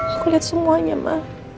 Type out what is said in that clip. aku liat semuanya ma